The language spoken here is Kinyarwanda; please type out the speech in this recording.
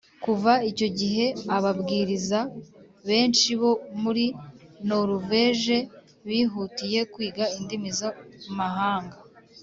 Kuva icyo gihe ababwiriza benshi bo muri Noruveje bihatiye kwiga indimi za mahanga